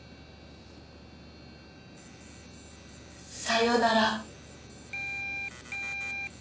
さよなら。